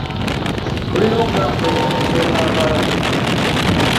Tulina okutambula okugenda e Kampala.